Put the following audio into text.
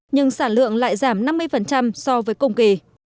nhưng sản lượng lại giảm năm mươi so với cùng kỳ